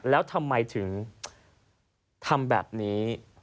แล้วทำไมถึงทำแบบนี้